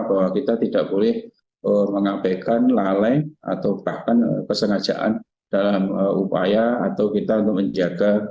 bahwa kita tidak boleh mengabaikan lalai atau bahkan kesengajaan dalam upaya atau kita untuk menjaga